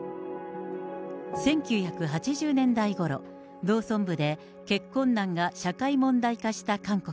１９８０年代ごろ、農村部で結婚難が社会問題化した韓国。